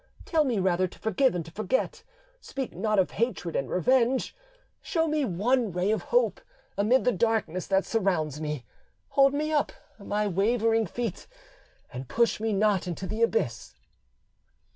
Tell me rather to forgive and to forget, speak not of hatred and revenge; show me one ray of hope amid the darkness that surrounds me; hold up my wavering feet, and push me not into the abyss."